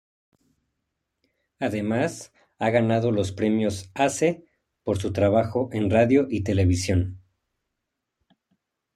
Además, ha ganado los premios Ace por su trabajo en radio y televisión.